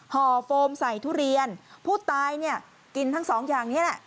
ห่อโฟมใส่ทุเรียนผู้ตายกินทั้ง๒อย่างนี้